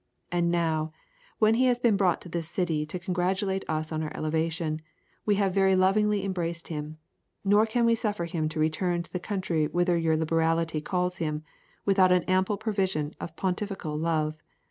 And now, when he has been brought to this city to congratulate us on our elevation, we have very lovingly embraced him; nor can we suffer him to return to the country whither your liberality calls him, without an ample provision of pontifical love.